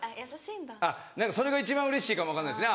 あっそれが一番うれしいかも分かんないです。